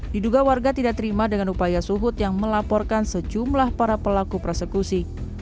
diduga warga tidak terima dengan upaya suhut yang melaporkan sejumlah para pelaku persekusi